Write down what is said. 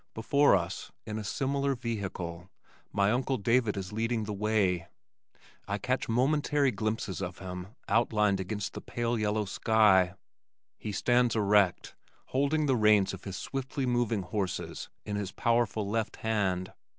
Before us (in a similar vehicle) my Uncle David is leading the way. I catch momentary glimpses of him outlined against the pale yellow sky. He stands erect, holding the reins of his swiftly moving horses in his powerful left hand.